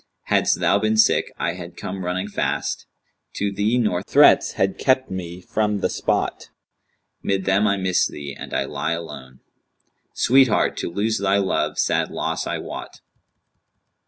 Hadst thou been sick, I had come running fast * To thee, nor threats had kept me from the spot: Mid them I miss thee, and I lie alone; * Sweetheart, to lose thy love sad loss I wot!'